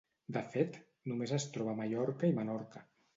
De fet, només es troba a Mallorca i Menorca.